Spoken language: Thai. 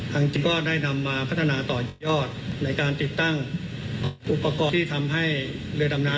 จริงก็ได้นำมาพัฒนาต่อยอดในการติดตั้งอุปกรณ์ที่ทำให้เรือดำน้ำ